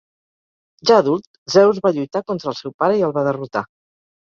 Ja adult, Zeus va lluitar contra el seu pare i el va derrotar.